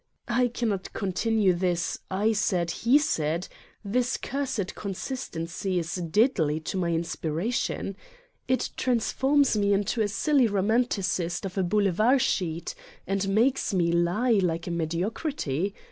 I cannot continue this: "I said," "he said," This cursed consistency is deadly to my inspiration. It transforms me in to a silly romanticist of a boulevard sheet and makes me lie like a mediocrity.